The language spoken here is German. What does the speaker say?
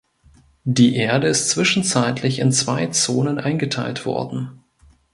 Die Erde ist zwischenzeitlich in zwei Zonen eingeteilt worden.